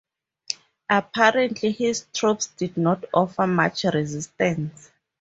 Apparently, his troops did not offer much resistance.